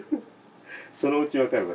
そのうちわかるわ。